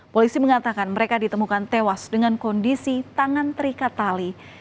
polisi mengatakan mereka ditemukan tewas dengan kondisi tangan terikat tali